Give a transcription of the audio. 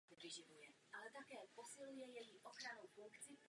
Příčinou úmrtí byl infarkt.